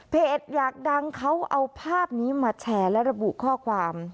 อยากดังเขาเอาภาพนี้มาแชร์และระบุข้อความ